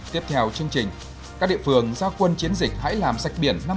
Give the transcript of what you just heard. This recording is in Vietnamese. tiếp theo chương trình các địa phương giao quân chiến dịch hãy làm sạch biển năm hai nghìn một mươi chín